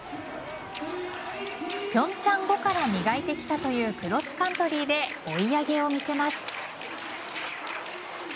平昌後から磨いてきたというクロスカントリーで追い上げを見せます。